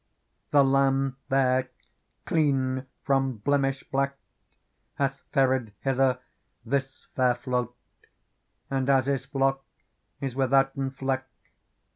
The Lamb there, clean from blemish black. Hath ferried hither this fair float ; And, as His flock is withouten fleck.